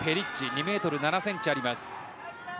２ｍ７ｃｍあります。